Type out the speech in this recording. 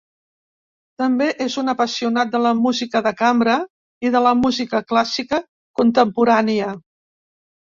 També és un apassionat de la música de cambra i de la música clàssica contemporània.